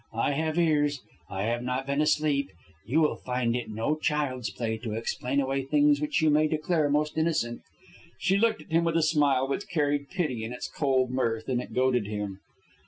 I have ears. I have not been asleep. You will find it no child's play to explain away things which you may declare most innocent." She looked at him with a smile which carried pity in its cold mirth, and it goaded him.